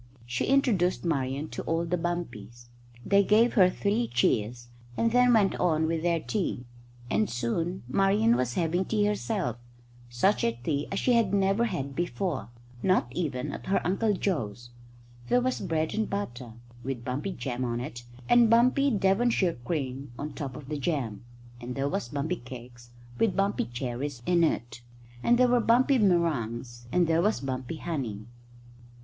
She introduced Marian to all the bumpies. They gave her three cheers, and then went on with their tea, and soon Marian was having tea herself such a tea as she had never had before, not even at her Uncle Joe's. There was bread and butter with bumpy jam on it and bumpy Devonshire cream on the top of the jam, and there was bumpy cake with bumpy cherries in it, and there were bumpy meringues, and there was bumpy honey.